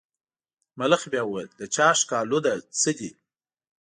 ملخ بیا وویل د چا ښکالو ده څه دي.